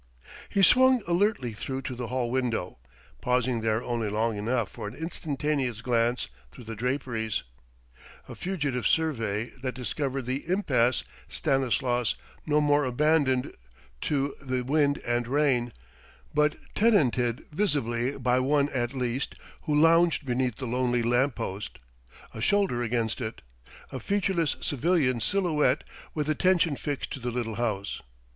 He swung alertly through to the hall window, pausing there only long enough for an instantaneous glance through the draperies a fugitive survey that discovered the impasse Stanislas no more abandoned to the wind and rain, but tenanted visibly by one at least who lounged beneath the lonely lamp post, a shoulder against it: a featureless civilian silhouette with attention fixed to the little house.